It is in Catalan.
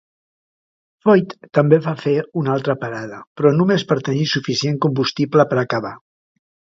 Foyt també va fer una altra parada, però només per tenir suficient combustible per acabar.